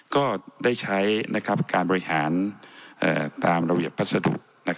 ก็ได้ใช้การบริหารตามระเบียบพัสดุ